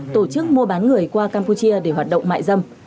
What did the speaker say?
tổ chức mua bán người qua campuchia để hoạt động mại dâm